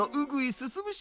すすむし！